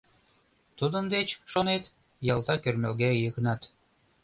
— Тудын деч, шонет? — ялтак ӧрмалга Йыгнат.